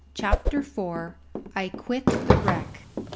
CHAPTER IV. I QUIT THE WRECK.